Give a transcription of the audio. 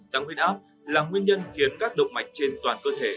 tăng huyết áp là nguyên nhân khiến các động mạch trên toàn cơ thể